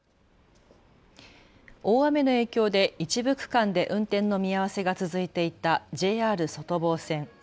大雨の影響で一部区間で運転の見合わせが続いていたＪＲ外房線。